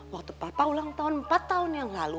waktu papa ulang tahun empat tahun yang lalu